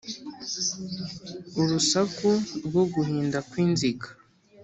urusaku rwo guhinda kw’inziga